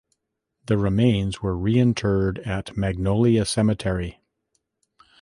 The remains were reinterred at Magnolia Cemetery.